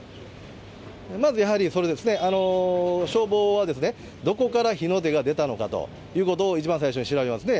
まずやはりそれですね、消防はどこから火の手が出たのかということを一番最初に調べますね。